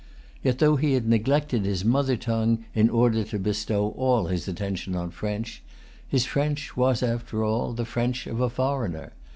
Yet though he had neglected his mother tongue in order to bestow all his attention on French, his French was, after all, the French of a foreigner.